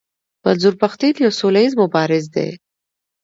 منظور پښتين يو سوله ايز مبارز دی.